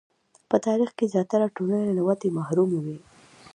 په تاریخ کې زیاتره ټولنې له ودې محرومې وې.